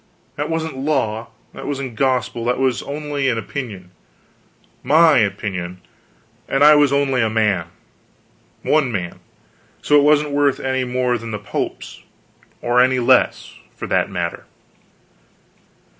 That wasn't law; it wasn't gospel: it was only an opinion my opinion, and I was only a man, one man: so it wasn't worth any more than the pope's or any less, for that matter.